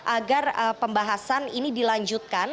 agar pembahasan ini dilanjutkan